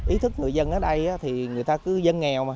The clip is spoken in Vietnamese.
ý thức người dân ở đây thì người ta cứ dân nghèo mà